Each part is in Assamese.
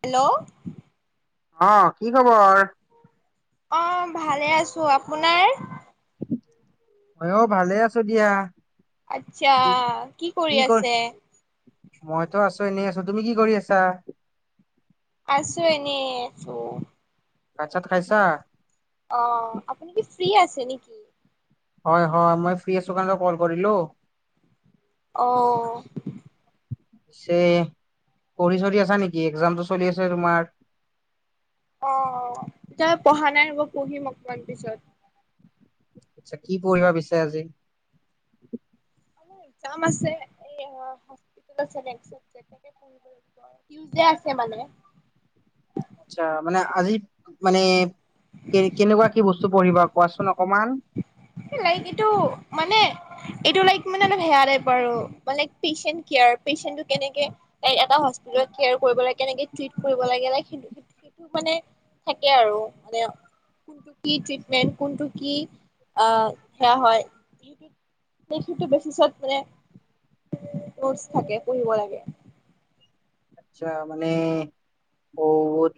হেল্ল' অ, কি খবৰ? অ ভালে আছো, আপোনাৰ? মইও ভালে আছো দিয়া আচ্ছা, কি কি কৰি আছে? মইতো আছো এনেই আছো, তুমি কি কৰি আছা? আছো এনেই অহ ভাত-চাত খাইছা? অ, আপুনি কি ফ্ৰী আছে নেকি? হয় হয়, মই ফ্ৰী আছোঁ কাৰণে কল কৰিলোঁ। অঁ পিছে পঢ়ি-চঢ়ি আছা নেকি, এক্জামতটো চলি আছে তোমাৰ এতিয়া পঢ়া নাই অ পঢ়িম অনকমান পিছত। আচ্ছা, কি পঢ়িব বিচাৰা আজি? অ মোৰ এক্জাম আছে এই অ আছে মানে আচ্ছা, মানে আজি মানে কে- কেনেকুৱা কি বস্তু বস্তু পঢ়িবা কোৱাচোন অকমান লাইক এইটো মানে এইটো লাইক মানে অলপ সেয়া টাইপ আৰু মানে পেচণ্ট কেয়াৰ, পেচেণ্টো কেনেকে এ-এটা হস্পিতালত কেয়াৰ কৰিব লাগে কেনেকে ট্ৰিট কৰিব লাগে লাইক সেই-সেইটো মানে থাকে আৰু মানে কি ট্ৰিটমেন্ট কোনটো কি সেয়া হয়, সিতো বেচিচত মানে নোটচ থাকে পঢ়িব লাগে। আচ্ছা, মানে অ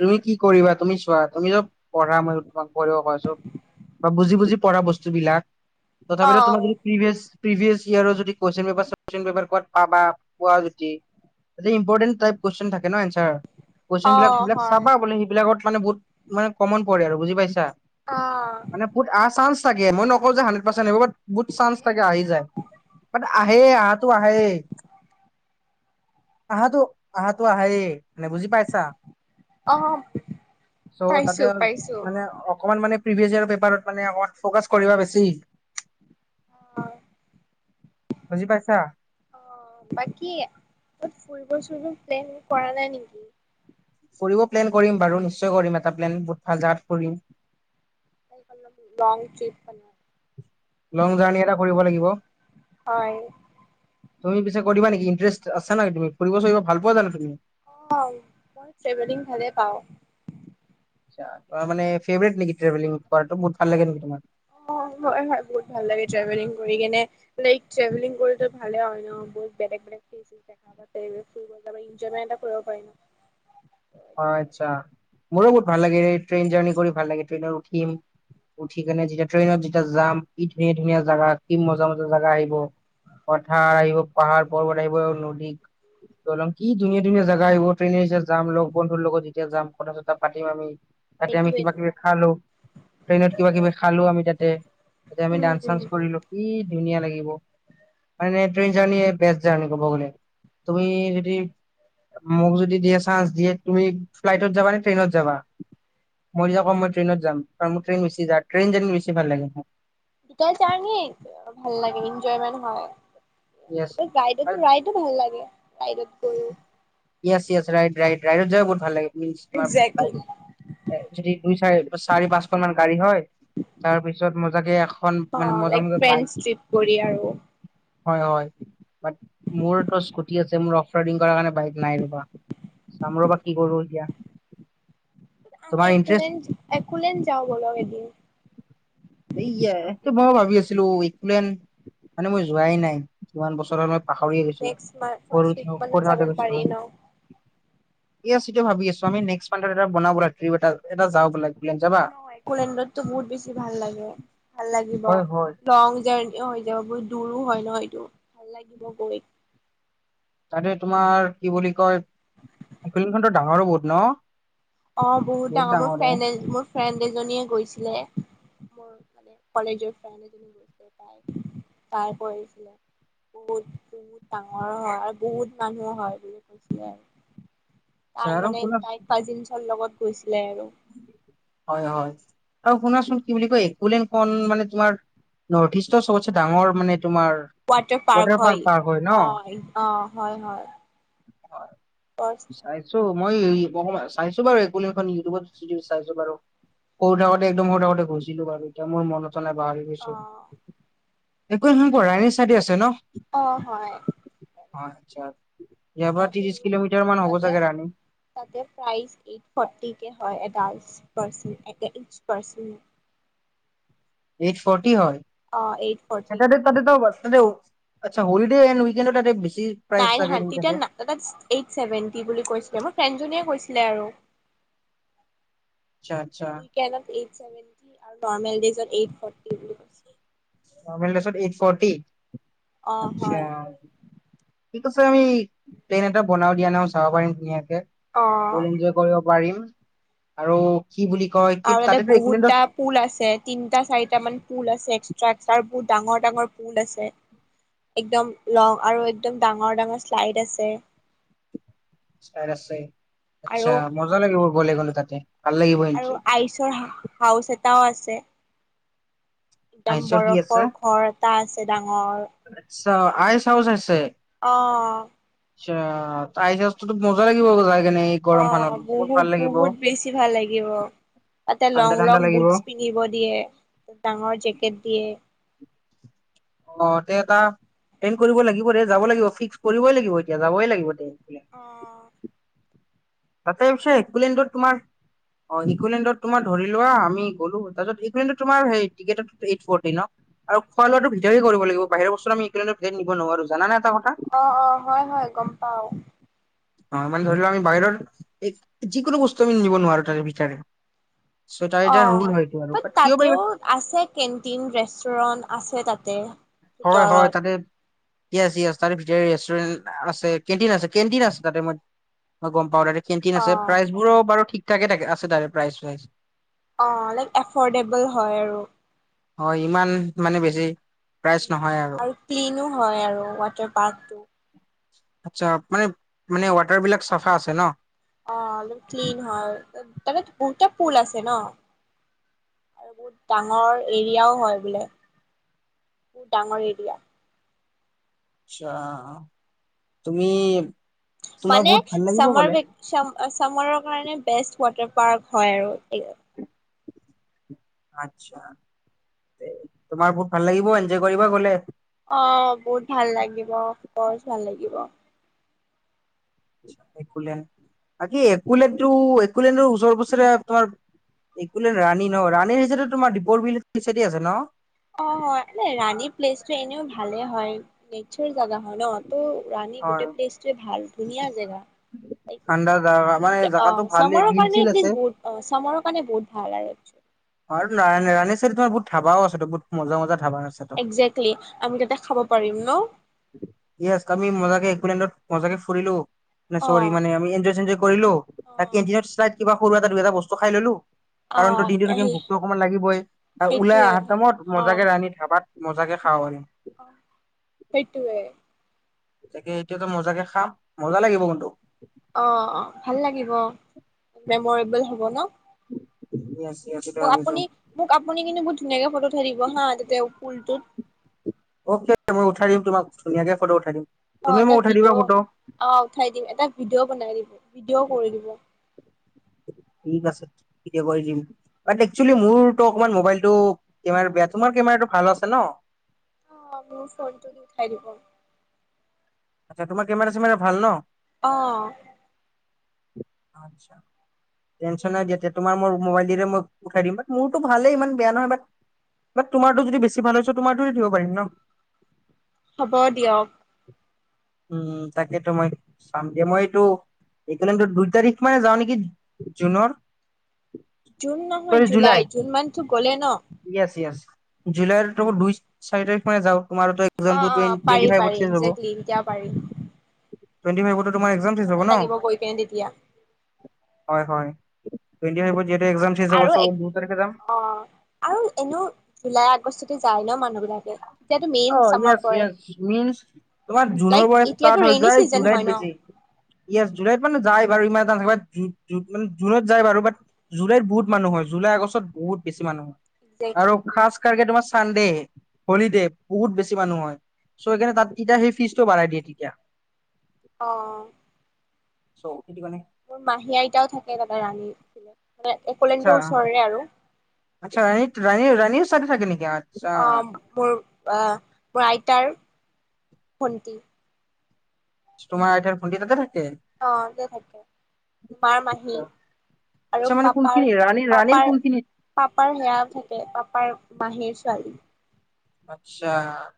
তুমি কি কৰিবা তুমি চোৱা তুমি পঢ়া, মইতো তোমাক পঢ়িব কয় আছো বুজি বুজি পৰা বস্তুবিলাক অ তথাপিতো তোমাৰ যদি প্ৰিভিয়াছ প্ৰিভিয়াছৰ ইয়াৰ যদি কুৱেশ্চন পেপাৰ চুৱেশ্চন পেপাৰ কবাত পাবা পোৱা যদি, ইতো ইম্পৰ্টেন্ট টাইপ কুৱেশন থাকে ন এনঞ্চাৰ কুৱেশন অ বিলাক সেইবিলাক হয় চাবা সেইবিলাকত মানে বহুত মানে কমন পৰে আৰু বুজি পাইছা? অ মানে বহুত আহা চান্চ মই নকওঁ যে হাড্ৰেড পাৰচেণ্ট আহিব বহুত চান্স থাকে আহি যায় বাট আহে আহাটো আহে আহোটো আহাতো আহে মানে বুজি পাইছা অ চ' তাতে পাইছো পাইছো মানে অকমান মানে প্ৰিভিয়াছৰ পেপাৰত মানে অকন ফ'কাছ কৰিবা বেছি আহ বুজি পাইছা বাকি ফুৰিব চুৰিব প্লেন কৰা নাই নেকি ফুৰিব প্লেন কৰিম বাৰু নিশ্চয় কৰিম এটা প্লেন বহুত ভাল জাগাত কৰিম লং ট্ৰিপ লং জাৰ্ণি এটা কৰিব লাগিব হয় তুমি পিছে কৰিবা নেকি ইণ্টাৰেষ্ট আছে নাই তুমি ফুৰিব চুৰিব ভাল পোৱা জানো তুমি আহ মই ট্ৰেভেলিং ভালে পাওঁ তাৰমানে ফ্ৰেবেট নেকি ট্ৰেভেলিং কৰাটো বহুত ভাল লাগে নেকি তোমাৰ অ হয় হয় বহুত ভাল লাগে ট্ৰেভেলিং কৰি কেনে লাই ট্ৰেভেলিং কৰি ভালে হয় ন বহুত বেলেগ বেলেগ [unintelligible] নজয় এটা কৰিব পাৰি ন অ সেইটো কাৰণে আচ্ছা মোৰো বহুত ভাল লাগে ট্ৰেইন জাৰ্ণি কৰি ভাল লাগে ট্ৰেইনত উঠিম উঠি কেনে যেতিয়া ট্ৰেইনত যেতিয়া যাম কি ধুনীয়া ধুনীয়া জাগা কি মজা মজা জাগা আহিব পথাৰ আহিব পাহাৰ পৰ্বত আহিব নদী দলং কি ধুনীয়া ধুনীয়া জাগা আহিব ট্ৰেইনে যেতিয়া যাম লগ বন্ধুৰ লগত যেতিয়া যাম কথা চত পাতিম আমি তাতে আমি কিবা সেইটোৱেটো কিবি খালো ট্ৰেইনত কিবা কিবি খালো আমি তাতে তাতে আমি ডান্স চান্স উম কৰিলো কি ধুনীয়া লাগিব মানে ট্ৰেইন জাৰ্ণি বেষ্ট জাৰ্ণি ক'ব গ'লে তুমি যদি মোক যদি দিয়া চান্স দিয়ে তুমি ফ্লাইটত যাবা নে ট্ৰেইনত যাবা মই যেতিয়া কওঁ মই ট্ৰেইনত যাম কাৰণ মোৰ ট্ৰেইন বেছি যাত ট্ৰেইন জাৰ্নি বেছি ভাল লাগে মোক জয়মে হয় য়েছ [unintelligible] আৰু ৰাইডত ৰাইড ভাল লাগে ৰাইডত গৈও ইয়েছ ইয়েছ ৰাইট ৰাইট ৰাইডত যাই বহুত ভাল লাগে তোমাৰ একজেক্টলি য [unintelligible] দুই চাৰ চাৰি পাঁচখন মান গাড়ী হয় তাৰপিছত মজাকে এখন মানে অ' মজা লাইক মজা ফ্ৰেণ্ডছ বাইক ট্ৰিপ কৰি আৰু হয় হয় বাট মোৰ আকৌ স্কুটি আছে মোৰ অফ ৰাইডিং কৰা কাৰণে বাইক নাই ৰবা চাম ৰ'বা কি কৰো এতিয়া আমি তোমাৰ একু ইন্টাৰেষ্ট একুলেড যাওঁ বলক এদিন ভাবিছিলো উইক প্লেন মানে মই যোৱাই নাই কিমান বছৰৰ পাহৰি গৈছো নেক্সট মান্থ সৰু ফাৰ্ষ্ট উইক থা মানত সৰু যাব থাকোঁতে পাৰি গৈছিলোঁ ন অ একচুৱেল [unintelligible] ভাবি আছো আমি নেক্সট মান্তত এটা বনাব লাগে ট্ৰিপ এটা এটা যাওঁ বলা একলেণ্ড যাবা অ এক'লেণ্ডত তো বহুত বেছি ভাল লাগে ভাল লাগিব হয় হয় লং জাৰ্নি ও বহুত দূৰো হয় ন এইটো ভাল লাগিব গৈ। তাতে তোমাৰ কি বুলি কয় খনতো ডাঙৰো বহুত ন? অ বহুত ডাঙৰ মোৰ ফ্ৰেণ্ড মোৰ ফ্ৰেণ্ড এজনীয়ে গৈছিলে। মোৰ মানে কলেজৰ ফ্ৰেণ্ড এজনী বু পায় তাৰ কৰিছিলে বহুত বহুত ডাঙৰ হয় আৰু বহুত মানুহ হয় বুলি কৈছিলে আৰু আচ্ছা তাই আৰু মানে শুনা তাই কা লগত গৈছিলে আৰু হয় হয় আৰু শুনাচোন কি বুলি কয় একুলেন খন মানে তোমাৰ নৰ্থ ইষ্টৰ চবতচে ডাঙৰ মানে তোমাৰ ৱাটাৰ পাৰ্ক হয় অ অ হয় হয়। হয়। ফাৰ্ষ্ট ছাইছো মই চাইছো বাৰু একুলেন খন ইউটিউবত চাইছো বাৰু সৰু থাকোতে একদম সৰু থাকোতে গৈছিলো বাৰু এতিয়া মোৰ মনত পাহৰি গৈছো। অ একুলেন খন‌ ক'ত ৰানী চাইদে আছে ন? অ হয়। আটছা। এয়াপৰা ত্ৰিছ কিলোমিটাৰ ত হ'ব চাগে ৰাণী। তাতে প্ৰাইচ এইট ফৰ্টি কে হয়। এডাল্টচ পাৰচন এটা ইটচ পাৰচন এইট ফৰ্টি হয়? অ এইট ফৰটি। এ অচ্ছা হলিডে এন্ড উইকেন্ডট তাতে‌ বেছি। প্ৰাইচ নাইন চাগে হান নেকি তাতে। তেতিয়া এইট চ ছেভেন্টি বুলি কৈছিলে মোৰ ফ্ৰেণ্ডজনীয়ে কৈছিলে আৰু আচ্ছা আচ্ছা উইকেণ্ডত এইট চেভেন্তি লয়, নৰ্মেল ডেইজত‌ এইট লয় হম্। অ নৰ্মেল‌ দেইজত এইট ফৰ্টি? অ', আচ্ছা! হয়। ঠিক আছে আমি প্লেন এটা বনাও দিয়া ন চাব পাৰিম ধুনীয়াকে ফুল অ', এনজয় কৰিব পাৰিম আৰু কি বুলি কয় কি আৰু তাতে তাতেতো একলেণ্ডত বহুতটা পুল আছে, তিনটা, চাৰিটা মান পুল আছে। তাত বহুত ডাঙৰ ডাঙৰ পুল আছে একদম লং আৰু একদম ডাঙৰ ডাঙৰ শ্লাইড আছে। শ্লাইদ‌ আছে আচ্ছা আৰু মজা লাগিব গলে গ'লে তাতে। ভাল লাগিব আৰু এন্ট্ৰি আইচৰ হা হাউচ এটা এটাও আছে একদম আইচৰ কি আছে বৰফৰ ঘৰ এটা আছে ডাঙৰ আইছ হাউচ আছে। আহ আচ্ছা আইছ হাউচ মজা লাগিব আ যায় অ বহুত বহুত বেছি ভাল লাগিব। তাতে লং ঠাণ্ডা লং ঠাণ্ডা লাগিব বুটছ পিন্ধিব দিয়ে ডাঙৰ জেকেট দিয়ে। অ ত এটা প্লেন কৰিব লাগিব ৰে যাব লাগিব, ফিক্স কৰিবই লাগিব এতিয়া যাবই লাগিবই দে। অ। তাতে পিছে ইকলেণ্ডত তোমাৰ অ ইকলেণ্ড তোমাৰ ধৰি লোৱা আমি গ'লো, তাৰপিত ইকলেণ্ডত তোমাৰ হেৰী টিকেট ত এইট ফৰ্টি ন আৰু খোৱা লোৱা ভিতৰ কৰিব লাগিব বাহিৰা বস্তু আমি একো ইকলেণ্ডত নিব নোৱাৰি জানা নে এটা কথা। অ, অ হয়, হয় গম পাওঁ। অ মানে ধৰি লোৱা আমি বাহিৰৰ এই যি যিকোনো বস্তু আমি নিব নোৱাৰো তাৰে ভিতৰে। চ' তাৰ অ এটা ৰুল হয় এইটো আৰু বাট কিয় পাৰি তাতেও আছে, কেণ্টিন ৰেষ্টুৰেণ্ট আছে তাতে। হয়, হয় ভিতৰত তাতে। ইয়েছ ইয়েছ তাতে ভিতৰতে ৰেষ্টুৰেণ্ট আছে, কেণ্টিং আছে কেণ্টিন আছে তাতে মই মই গম পাওঁ তাতে। কেণ্টিন অ আছে প্ৰাইচবোৰো বাৰু ঠিক আছে। তাকে তাকে আছে তাৰে প্ৰাইচ চ্ৰাইজ। অ লাইক এফৰ্ডেবল হয় আৰু। হয় ইমান মানে বেছি। প্ৰাইচ ওম নহয় আৰু ক্লিনো। [inaudible] হয় আৰু ৱাটাৰ পাৰ্কটো। অচ্ছা মানে মানে ৱাটাৰ বিলাক চাফা আছে ন। অ আৰু ক্লিন হয় তাত। তাতে দুটা পুল ওলাইছে ন আৰু বহুত ডাঙৰ এৰিয়াও হয় বোলে বহুত ডাঙৰ এৰিয়া। আচ্ছা তুমি। [inaudible] তোমাৰ মানে বহুত ভাল লাগিব সমাৰ গ'লে ভেঁকশ্য সমাৰ। আছামৰ কাৰণে বেষ্ট ৱাটাৰ পাৰ্ক হয় আৰু। আচ্ছা তোমাৰ বহুত ভাল লাগিব এনজয় কৰিব গলে। অ বহুত ভাল লাগিব বৰ ভাল লাগিব। একুলেণ্ড, আজি একুলেণ্ড ত ওচৰ পাছৰে তোমাৰ একুলেণ্ড ৰাণী ন ৰাণীৰ যিটো, তোমাৰ দীপৰ বিল সেইচাইডে আছে ন। অ হয় এনে ৰাণী প্লেছ। এনেইও ভালে হয়, নেচাৰ জাগা হয় ন। ত ৰাণী হয় গোটেই প্লেছ ভাল। ধুনীয়া জেগা লাইক ঠাণ্ডা জাগা মানে উইণ্ট জাগাটো ভালে চামাৰৰ বিল কাৰে চিল আছে এলিষ্ট বহুত অ চামাৰৰ কাৰণে বহুত ভাল আৰু একচুৱলি। অ আৰু ৰাণী ৰাণী সাইডে, তোমাৰ বহুত ধাবাও আছে বহুত মজা মজা ধাবা। আছে তো একজেক্টলি আমি তাতে, খাব পাৰিম ন। একুৱালেণ্ড মজাকে ফুৰিলো। চৰি অ মানে আমি এঞ্জয়, চেঞ্জজয় কৰিলো, অ তাতে এঞ্জয় সালাইড। কিবা সৰু এটা, দুই এটা বস্তু খাই ললো। অ আহি। ভোক ত অকমান লাগিবই, ওলাই সেইটোৱে অহাৰ টাইমত মজাকে ৰান্ধি ধাবাত। মজাক কে খাও আমি অহ সেইটোৱে তাকে এতিয়াতো মজাকে খাম মজা লাগিব কিন্তু অ অ ভাল লাগিব মেমৰেবল হব ন য়েছ আপুনি মোক আপুনি কিন্তু বহুত ধুনীয়াকে ফটো উঠাই দিব হা তাতে পুলটোত অকে মই উঠাই দিম তোমাক ধুনীয়াকে ফটো উঠাই দিম অ তুমি মোক এটা উঠাই দিবা ভিডিঅ ফটো অহ উঠাই দিম এটা ভিডিঅ' বনাই দিম ভিডিঅও কৰি দিব। ঠিক আছে ভিডিঅ কৰি দিম বাত একচেলি মোৰতো অকমান মোবাইলটো কেমেৰা বেয়া তোমাৰ কেমেৰাটো ভাল আছে ন। অ মোৰ ফোনটো দি উঠাই দিব। আচ্ছা তোমাৰ কেমেৰা চেমেৰা ভাল ন। অঁ আতছা টেনচন নাই দিয়া তোমাৰ মোৰ মোবাইলৰে মই উঠাই দিম বাট মোৰতো ভালেই ইমান বেয়া নহয় বাট বাত তোমাৰটো যদি বেছি ভাল হয় চো তোমাৰটো দি উঠিব পাৰিম ন হ'ব দিয়ক। উম তাকেতো মই চাম দিয়া মই এইটো তাৰিখ মানে যাওঁ নেকি জুনৰ জুন নহয় জুলাই জুন মন্থটো গলে ন জুলাই টো দুই চাৰি তাৰিখ মানে যাওঁ তোমাৰতো অ এক্সামটো অ টুৱেন- টুৱেন্টি পাৰি ফাইভত পাৰি শেষ হ'ব একজেক্টলি এতিয়া পাৰি। টুৱেন্টি ফাইভ ত ভালে লাগিব গৈ কেনে তেতিয়া। হয় হয় টুৱেন্টি ফাইভত এক্সাম শেষ হ'ব আৰু চ' দুই তাৰিখে যাম এক অ আৰু এনেও জুলাইত যায় ন মানুহ বিলাকে তেতিয়াতো মেইন অ চামাৰ য়েছ পৰে য়েছ মিনছ তোমাৰ জুনৰ লাইক পৰা এতিয়াতো ষ্টাৰ্ট হৈ ৰেইনী যায় চিজন জুলাইত হয় ন বেছি য়েছ জুলাইত মানে যায় জুনত যায় বাৰু বাত জুলাইত বহুত মানুহ হয় জুলাই আগষ্টত বহুত বেছি মানুহ হয়। আৰু একজেক্টলি খাস কাৰকে তোমাৰ চান [unintelligible] হলি দে বহুত বেছি মানুহ হয়। চো সেইকাৰণে তাত ইতিয়া সেই ফিজটো বাঢ়াই দিয়ে। [unintelligible] অহ চ সেইটো মানে মোৰ মাহী আইতাও থাকে তাতে ৰানী পিনে। আচ্ছা, আচ্ছা [unintelligible] ৰানী-ৰানী স্বাদ থাকে নেকি আহ অহ মোৰ, আহ মোৰ আইতাৰ ভণ্টি। তোমাৰ আইতাৰ ভণ্টি ততে থাকে? অহ যে থাকে মাৰ মাহী আৰু আচ্ছা মানে কোনখিনি ৰাণী ৰাণীৰ কোনখিনিত পাপাৰ-পাপাৰ-পাপাৰ সেয়া থাকে পাপাৰ মাহীৰ ছোৱালী। [unintelligible] আচ্ছা।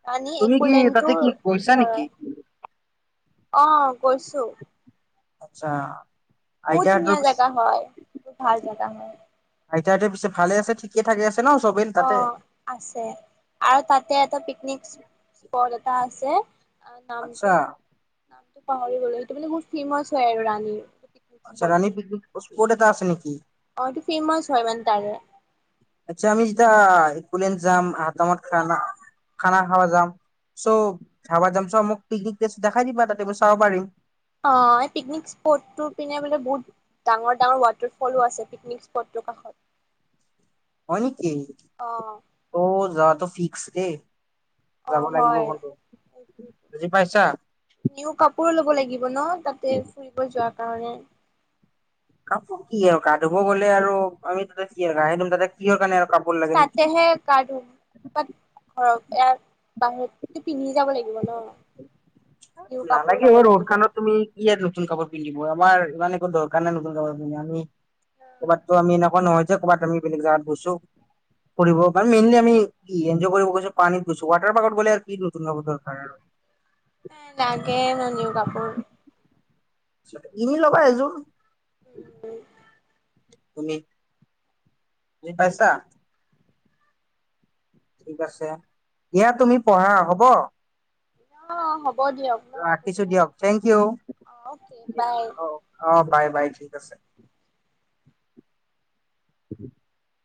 ৰাণী তুমি কি তাতে একলেণ্ডটোৰ কি গৈছা নেকি? অহ গৈছো। আচ্ছা। বহুত আইতাহঁতৰ ধুনীয়া পিছে জেগা হয়, ভাল জেগা হয়। আইতা হতে পিছে ভালে আছে, ঠিক থাকে আছে? ন চবেই তাতে? অহ আছে। আৰু তাতে এটা পিকনিক স্পট এটা আছে আচ্ছা নামটো-নামটো পাহৰি গলোঁ। কিন্তু বহুত ফেমাচ হয় আৰু ৰাণীৰ। পিকনিক আচ্ছা ৰানী পিকনিক [unintelligible] কড এটা আছে নেকি? অহ এইটো ফেমাচ হয় মানে তাৰে। আচ্ছা আমি যেতিয়া একলাণ্ড যাম, আহাঁ টাইম ত খানা খানা খাবা যাম চ ধাবা যাম, চ' মোক পিকনিক প্লেচ টো দেখাই দিবা তাতে মই চাব পাৰিম। অ এই পিকনিক স্পটটো পিনে বোলে বহুত ডাঙৰ-ডাঙৰ ৱাটাৰ ফলো আছে পিকনিক স্পটৰ কাষত। হয় নিকি? অ অ যোৱা টো ফি [unintelligible] অহ হয়। বুজি পাইছা নিউ কাপোৰো লব লাগিব ন তাতে ফুৰিব যোৱা। কাৰনে। কাপোৰ কি আৰু, গা ধুব গলে আৰু আমি তাতে কি হয় গা হে ধুম তাতে কিহৰ কাৰণে আৰু কাপোৰ লাগে ততে নতুন হে গা ধোম, বাত ঘৰত এ বাহিৰতো পিন্ধি যাব লাগিব ন? নিউ কাপোৰ নালাগে ল'ব অ ৰড লাগিব। খানত তুমি কি আৰু নতুন কাপোৰ পিন্ধিব। আমাৰ ইমান একো দৰকাৰ নাই নতুন কাপোৰ পিন্ধি আমি এইবাৰতো আমি এন নহয় যে কবাত আমি বেলেগ জাগাত গৈছো ফুৰিব বা মেইনলি আমি কি এনঞ্জয় কৰিব গৈছো পানীত গৈছো ৱাটাৰ পাৰ্কত গ'লে আৰু কি নতুন দৰকাৰ আৰু এ লাগে ন নিও কাপোৰ কিনি ল'বা এযোৰ। উম তুমি বুজি পাইচা? ঠিক আছে দিয়া তুমি পঢ়া হ'ব। অ ', হ'ব হ'ব দিয়ক ন ৰাখিছো আপুনি দিয়ক থেংক ইউ অ ওক বাই। অ অ বাই বাই ঠিক আছে। [unintelligible]